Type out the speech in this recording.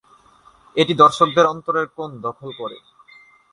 এটি দর্শকদের অন্তরের কোণ দখল করে।